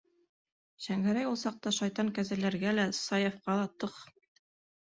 Шәңгәрәй ул саҡта шайтан кәзәләргә лә, Саяфҡа ла - тох!